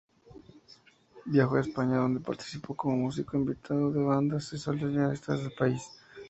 Viajo a España donde participó como músico invitado de bandas y solistas del país.